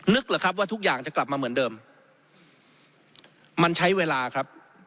หรือครับว่าทุกอย่างจะกลับมาเหมือนเดิมมันใช้เวลาครับ